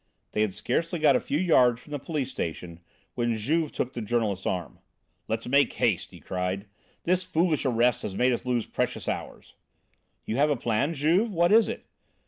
They had scarcely got a few yards from the police station, when Juve took the journalist's arm. "Let's make haste!" he cried. "This foolish arrest has made us lose precious hours." "You have a plan, Juve? What is it?"